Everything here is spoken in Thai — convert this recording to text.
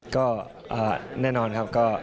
ก็แน่นอนครับก็